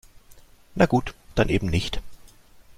Na gut, dann eben nicht.